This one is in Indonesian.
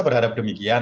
saya harap demikian